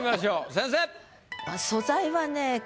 先生！